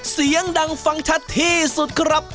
เสียงดังฟังชัดที่สุดครับ